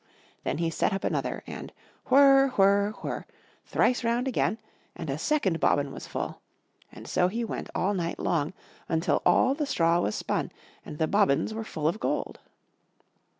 Then he set up another, and whir, whir, whir, thrice round again, and a second bobbin was full; and so he went all night long, until all the straw was spun, and the bobbins were full of gold.